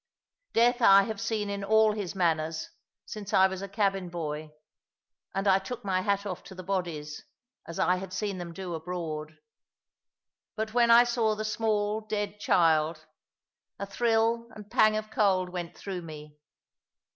Death I have seen in all his manners, since I was a cabin boy, and I took my hat off to the bodies, as I had seen them do abroad; but when I saw the small dead child, a thrill and pang of cold went through me.